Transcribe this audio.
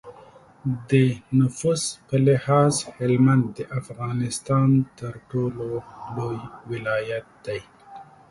د نفوس په لحاظ هلمند د افغانستان تر ټولو لوی ولایت دی.